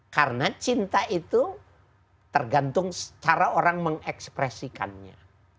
karena cinta itu tergantung secara orang mengekspresikannya